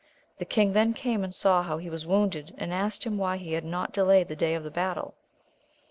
The king then came and saw how he was wounded, and asked him why he had not delayed the day of battle.